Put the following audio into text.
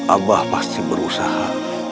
allah pasti berusaha